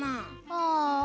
ああ。